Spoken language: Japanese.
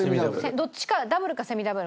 どっちかダブルかセミダブル。